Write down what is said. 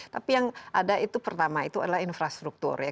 tapi yang ada itu pertama itu adalah infrastruktur ya